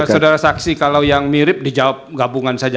saudara saksi kalau yang mirip dijawab gabungan saja